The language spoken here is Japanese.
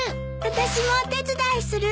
私もお手伝いする。